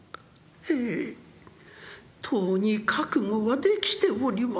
「ええとうに覚悟はできております」。